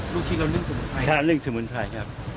ลูกชิ้นเรานึ่งสมุนไพรนะครับค่ะนึ่งสมุนไพรครับ